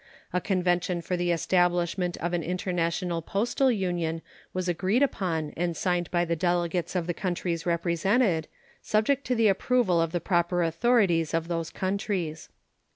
A convention for the establishment of an international postal union was agreed upon and signed by the delegates of the countries represented, subject to the approval of the proper authorities of those countries.